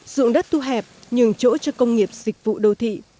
dụng đất thu hẹp nhường chỗ cho công nghiệp dịch vụ đô thị